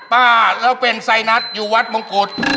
ป๊าเราเป็นไซนัตรอยู่วัดมงกุฎ